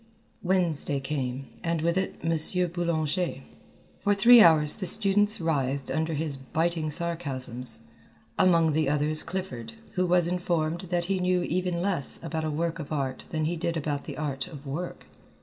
Wednesday came, and with it M. Boulanger. For three hours the students writhed under his biting sarcasms, among the others Clifford, who was informed that he knew even less about a work of art than he did about the art of work.